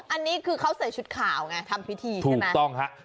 อันนี้คือเขาใส่ชุดขาวไงทำพิธีใช่ไหมถูกต้องฮะ